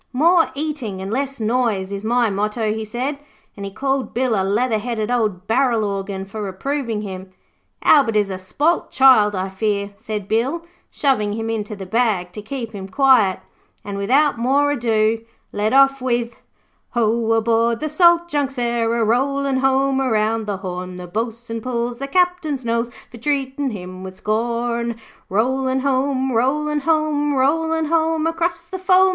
'"More eating and less noise" is my motto,' he said, and he called Bill a leather headed old barrel organ for reproving him. 'Albert is a spoilt child, I fear,' said Bill, shoving him into the bag to keep him quiet, and without more ado, led off with 'Ho! aboard the Salt Junk Sarah, Rollin' home around the Horn, The Bo'sun pulls the Captain's nose For treatin' him with scorn. 'Rollin' home, rollin' home, Rollin' home across the foam.